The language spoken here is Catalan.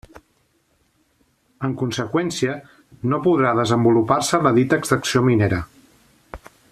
En conseqüència, no podrà desenvolupar-se la dita extracció minera.